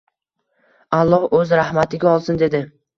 Alloh Oʻz rahmatiga olsin dedi.